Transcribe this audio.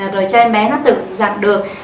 rồi cho em bé nó tự giặt được